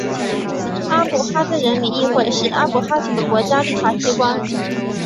阿布哈兹人民议会是阿布哈兹的国家立法机关。